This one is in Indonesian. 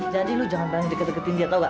jadi lo jangan pernah deket deketin dia tau gak